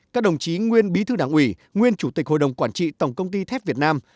các đồng chí nguyên bí thư đảng ủy nguyên chủ tịch hội đồng quản trị tổng công ty thép việt nam